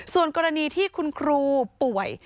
ส่วนกรณีที่คุณครูป่วย